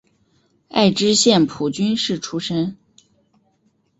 爱知县蒲郡市出身。